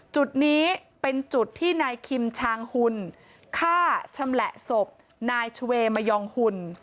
จุดนี้เป็นจุดที่นายคิมชางหุ่นฆ่าชำแหละศพนายชเวมยองหุ่น